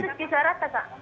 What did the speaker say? putus putus bisa rata kak